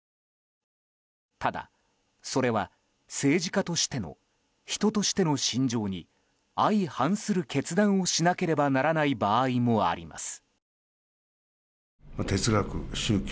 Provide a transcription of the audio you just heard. ただ、それは政治家としての人としての信条に相反する決断をしなければならない場合もあります。